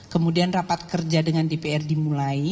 kemudian rapat kerja dengan dpr dimulai